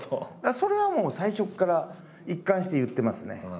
それはもう最初から一貫して言ってますね。